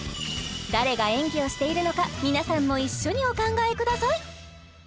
誰が演技をしているのか皆さんも一緒にお考えください